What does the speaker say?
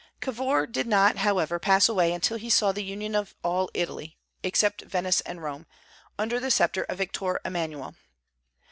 Cavour did not, however, pass away until he saw the union of all Italy except Venice and Rome under the sceptre of Victor Emmanuel.